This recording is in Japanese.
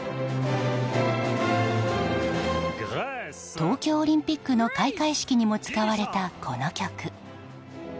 東京オリンピックの開会式にも使われた、この曲。